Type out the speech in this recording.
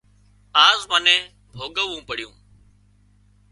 آز منين ڀوڳوون پڙيُون